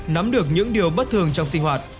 nắm được những điều bất thường trong sinh hoạt